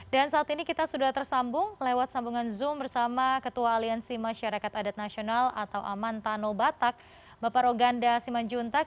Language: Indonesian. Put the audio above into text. dan saat ini kita sudah tersambung lewat sambungan zoom bersama ketua aliansi masyarakat adat nasional atau amantano batak bapak roganda simanjuntak